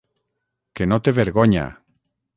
Que no té vergonya!